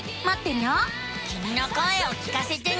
きみの声を聞かせてね。